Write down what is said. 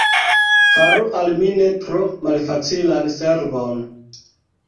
Faru al mi ne tro malfacilan servon!